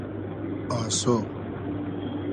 آسۉ